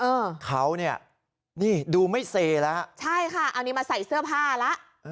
เออเขาเนี่ยนี่ดูไม่เซแล้วใช่ค่ะเอานี่มาใส่เสื้อผ้าแล้ว